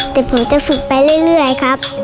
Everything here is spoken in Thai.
แต่ผมจะฝึกไปเรื่อยครับ